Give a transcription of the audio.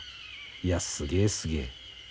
いやすげえすげえ。